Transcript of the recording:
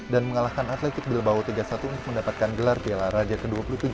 dan mengalahkan atletico bilbao tiga satu untuk mendapatkan gelar gelar raja ke dua puluh tujuh